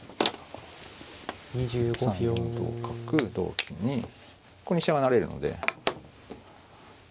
３四同角同金にここに飛車が成れるので。